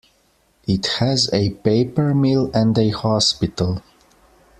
It has a paper mill and a hospital.